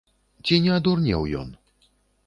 Ці не адурнеў ён?